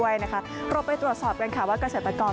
เราไปตรวจสอบเรื่องว่ากระเศรษฐกอร์